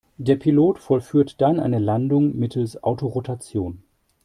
Der Pilot vollführt dann eine Landung mittels Autorotation.